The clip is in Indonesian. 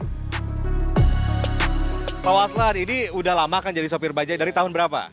pak aslan ini udah lama kan jadi sopir bajaj dari tahun berapa